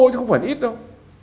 chứ không phải ít đâu